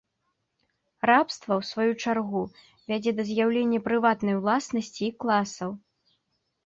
Рабства ў сваю чаргу вядзе да з'яўлення прыватнай уласнасці і класаў.